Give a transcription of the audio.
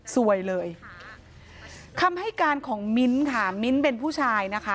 สวยเลยคำให้การของมิ้นท์ค่ะมิ้นท์เป็นผู้ชายนะคะ